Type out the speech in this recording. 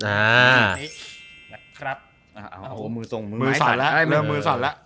ค้าค้าค้า